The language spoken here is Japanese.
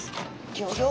ギョギョ。